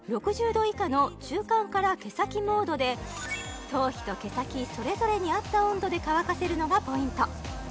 ６０度以下の中間から毛先モードで頭皮と毛先それぞれにあった温度で乾かせるのがポイント